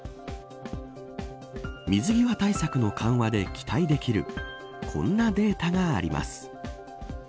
水際対策の緩和で期待できるこんなデータがあります。